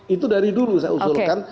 itu dari dulu saya usulkan